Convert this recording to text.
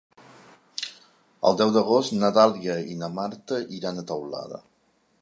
El deu d'agost na Dàlia i na Marta iran a Teulada.